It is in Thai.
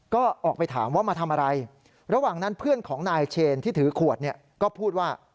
ก็ออกไปถามว่ามาทำอะไรระหว่างนั้นเพื่อนของนายเชนที่ถือขวดเนี่ยก็พูดว่า